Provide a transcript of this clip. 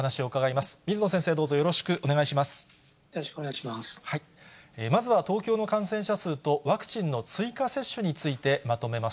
まずは東京の感染者数と、ワクチンの追加接種について、まとめます。